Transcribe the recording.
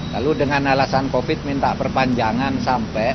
lalu dengan alasan covid minta perpanjangan sampai